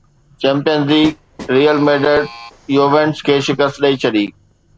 champions League Real Madrid Juventus کي شڪست ڏئي ڇڏي